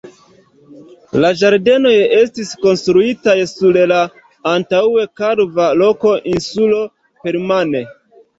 La ĝardenoj estis konstruitaj sur la antaŭe kalva roka insulo permane.